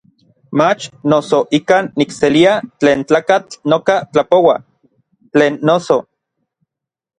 Mach noso ikan nikselia tlen tlakatl noka tlapoua; tlen noso.